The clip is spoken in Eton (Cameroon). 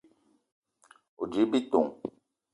O: djip bitong.